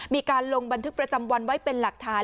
มีการลงบันทึกประจำวันไว้เป็นหลักฐาน